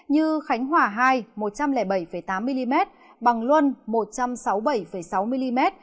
như khánh hòa hai một trăm linh bảy tám mm bằng luân một trăm sáu mươi bảy sáu mm